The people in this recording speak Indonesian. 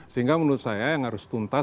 sehingga menurut saya yang harus tuntas